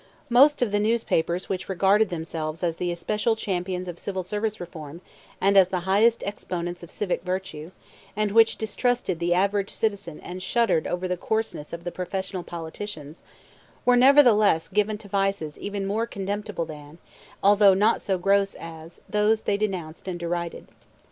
Most of the newspapers which regarded themselves as the especial champions of Civil Service Reform and as the highest exponents of civic virtue, and which distrusted the average citizen and shuddered over the "coarseness" of the professional politicians, were, nevertheless, given to vices even more contemptible than, although not so gross as, those they denounced and derided.